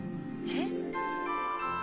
えっ？